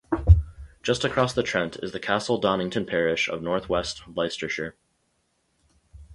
Just across the Trent is the Castle Donington parish of North West Leicestershire.